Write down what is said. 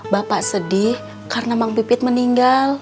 bapak sedih karena bang pipit meninggal